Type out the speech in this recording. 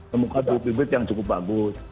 memukau dua pibit yang cukup bagus